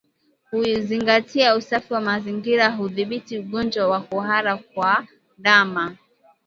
Kuzingatia usafi wa mazingira hudhibiti ugonjwa wa kuhara kwa ndama